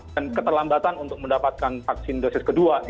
dan keterlambatan untuk mendapatkan vaksin dosis kedua